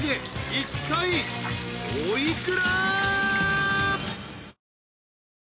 いったいお幾ら？］